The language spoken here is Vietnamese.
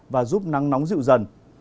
và giúp năng nóng dịu dần